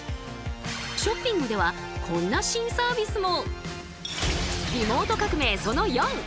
ショッピングではこんな新サービスも！